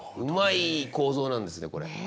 うまい構造なんですねこれ。